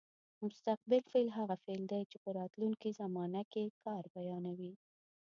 مستقبل فعل هغه فعل دی چې په راتلونکې زمانه کې کار بیانوي.